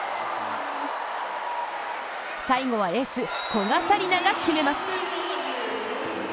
最後はエース、古賀紗理那が決めます。